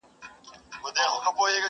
فرشتې زرغونوي سوځلي کلي!.